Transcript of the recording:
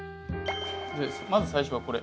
まず最初はこれ。